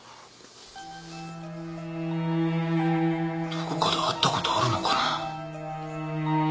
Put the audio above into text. どこかで会ったことあるのかな